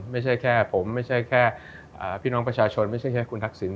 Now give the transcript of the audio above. ไม่ใช่แค่ผมไม่ใช่แค่พี่น้องประชาชนไม่ใช่แค่คุณทักษิณ